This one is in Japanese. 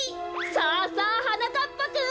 さあさあはなかっぱくん！